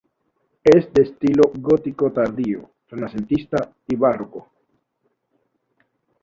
Es de estilo Gótico tardío, renacentista y Barroco.